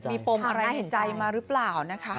มีปมอะไรในใจมาหรือเปล่านะคะ